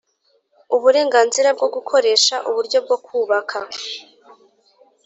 Uburenganzira bwo gukoresha uburyo bwokubaka